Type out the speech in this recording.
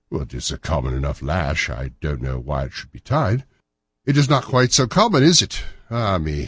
"It's a common enough lash. But I don't know why it should be tied." "That is not quite so common, is it? Ah, me!